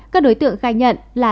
các đối tượng khai nhận là